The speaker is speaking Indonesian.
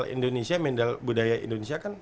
indonesia mental budaya indonesia kan